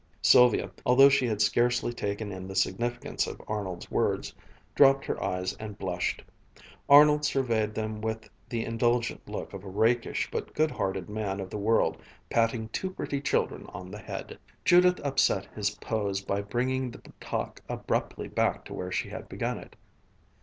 Sylvia, although she had scarcely taken in the significance of Arnold's words, dropped her eyes and blushed. Arnold surveyed them with the indulgent look of a rakish but good hearted man of the world patting two pretty children on the head. Judith upset his pose by bringing the talk abruptly back to where she had begun it.